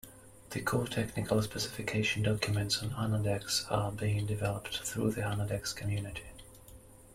The core technical specification documents on Annodex are being developed through the Annodex community.